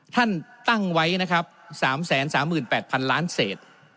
ท่านตั้งไว้นะครับ๓๓๘๐๐๐ล้านเศษ